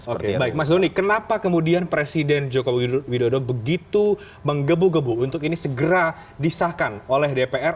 oke baik mas doni kenapa kemudian presiden joko widodo begitu menggebu gebu untuk ini segera disahkan oleh dpr